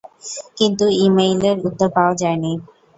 কিন্তু ইমেইলের উত্তর পাওয়া যায়নি।